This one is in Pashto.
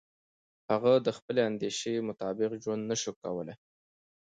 هغه د خپلې اندیشې مطابق ژوند نشي کولای.